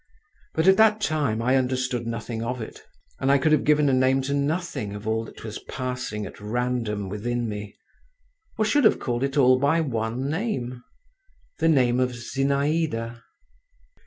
But at that time I understood nothing of it, and could have given a name to nothing of all that was passing at random within me, or should have called it all by one name—the name of Zinaïda.